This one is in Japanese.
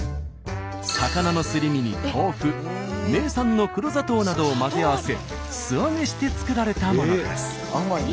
魚のすり身に豆腐名産の黒砂糖などを混ぜ合わせ素揚げして作られたものです。